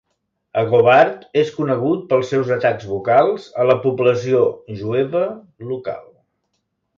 Agobard és conegut pels seus atacs vocals a la població jueva local.